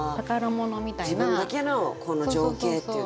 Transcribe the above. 自分だけの情景っていう。